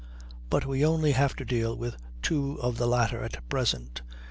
But we only have to deal with two of the latter at present.